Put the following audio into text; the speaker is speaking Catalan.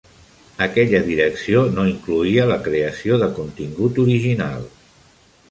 Aquella direcció no incloïa la creació de contingut original.